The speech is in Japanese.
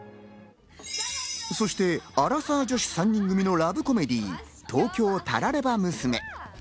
そしてアラサー女子３人組のラブコメディー『東京タラレバ娘』。